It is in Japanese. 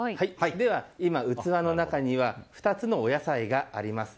では、器の中には２つのお野菜があります。